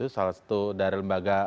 salah satu dari lembaga